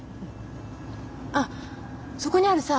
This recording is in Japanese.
あっそこにあるさ